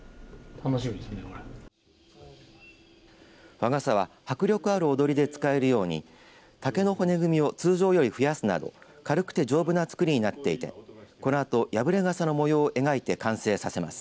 和傘は迫力ある踊りで使えるように竹の骨組みを通常より増やすなど軽くて丈夫なつくりになっていてこのあと破れ傘の模様を描いて完成させます。